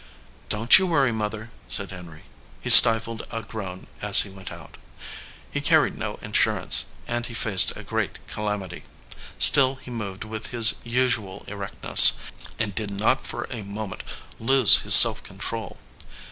"Don t you worry, Mother," said Henry. He stifled a groan as he went out. He carried no in surance, and he faced a great calamity. Still he moved with his usual erectness, and did not for a moment lose his self control.